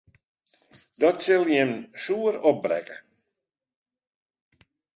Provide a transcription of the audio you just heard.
Dat sil jim soer opbrekke.